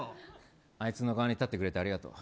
あいつの側に立ってくれてありがとう。